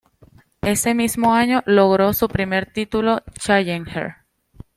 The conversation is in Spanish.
Ese mismo año, logró su primer título Challenger.